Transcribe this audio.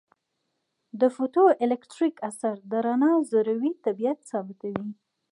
د فوټو الیټکریک اثر د رڼا ذروي طبیعت ثابتوي.